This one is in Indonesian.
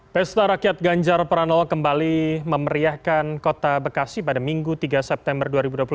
pesta rakyat ganjar pranowo kembali memeriahkan kota bekasi pada minggu tiga september dua ribu dua puluh tiga